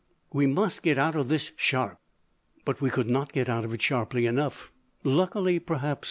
We must get out of this sharp." But we could not get out of it sharply enough. Luckily, perhaps!